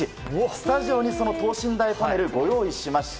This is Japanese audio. スタジオに等身大パネルをご用意しました。